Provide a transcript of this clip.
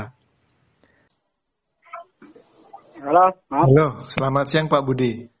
halo selamat siang pak budi